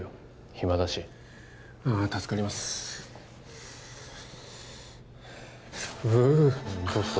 暇だしああ助かりますううどうした？